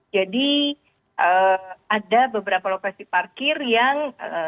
jadi ada beberapa lokasi parkir yang